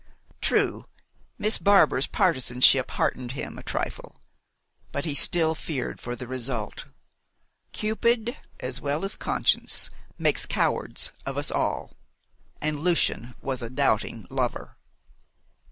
True, Miss Barbar's partisanship heartened him a trifle, but he still feared for the result. Cupid, as well as conscience, makes cowards of us all and Lucian was a doubting lover.